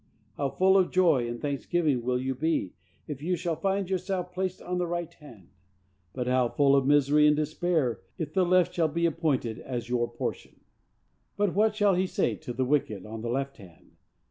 How full of joy and thanksgiving will you be, if you shall find yourself placed on the right hand! but how full of misery and despair, if the left shall be appointed as your portion! But what shall he say to the wicked on the left hand?